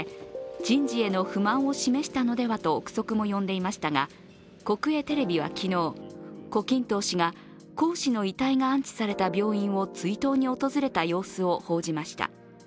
人事への不満を示したのではと憶測も呼んでいましたが、国営テレビは昨日、胡錦涛氏が江氏の遺体の安置された病院を追悼に訪れた様子を報じました。